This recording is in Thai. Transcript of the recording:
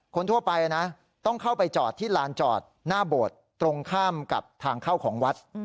คนทั่วไปนะต้องเข้าไปจอดที่ลานจอดหน้าโบสถ์ตรงข้ามกับทางเข้าของวัด